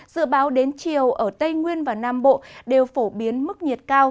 dự báo đến chiều ở tây nguyên và nam bộ đều phổ biến mức nhiệt cao